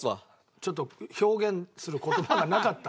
ちょっと表現する言葉がなかった。